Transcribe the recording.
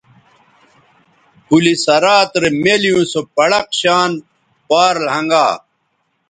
پلِ صراط رے مِیلیوں سو پڑق شان پار لھنگا